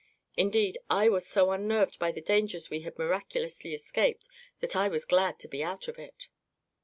Indeed, I was so unnerved by the dangers we had miraculously escaped that I was glad to be out of it."